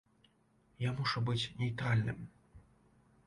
Я мушу быць нейтральным.